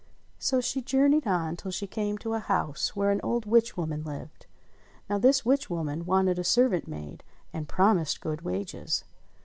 So she journeyed on till she came to a house where an old witch woman lived. Now this witch woman wanted a servant maid, and promised good wages.